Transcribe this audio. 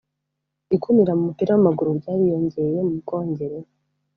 Ikumira mu mupira w'amaguru ryariyongeye mu Bwongereza